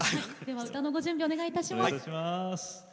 では歌のご準備をお願いいたします。